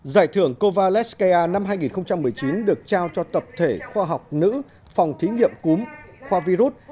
giải thưởng kovaleskaya năm hai nghìn một mươi chín được trao cho tập thể khoa học nữ phòng thí nghiệm cúm khoa virus